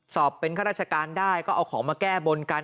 สอบเป็นข้าราชการได้ก็เอาของมาแก้บนกัน